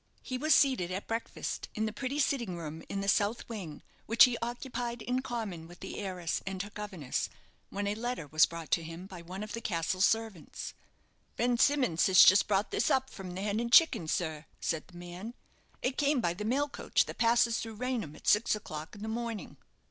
He was seated at breakfast in the pretty sitting room in the south wing, which he occupied in common with the heiress and her governess, when a letter was brought to him by one of the castle servants. "Ben Simmons has just brought this up from the 'Hen and Chickens,' sir," said the man. "It came by the mail coach that passes through Raynham at six o'clock in the morning."